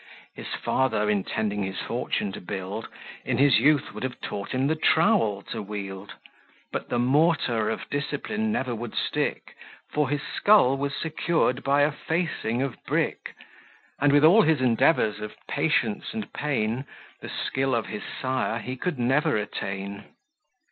His father, intending his fortune to build, In his youth would have taught him the trowel to wield, But the mortar of discipline never would stick, For his skull was secured by a facing of brick; And with all his endeavours of patience and pain, The skill of his sire he could never attain.